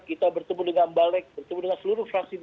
kita bertemu dengan balik bertemu dengan seluruh fraksi di dpr